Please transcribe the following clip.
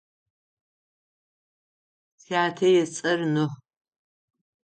Сятэ ыцӏэр Нухь.